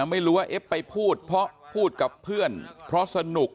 ไม่รู้ว่าเอฟไปพูดเพราะพูดกับเพื่อนเพราะสนุก